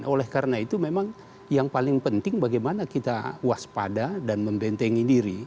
oleh karena itu memang yang paling penting bagaimana kita waspada dan membentengi diri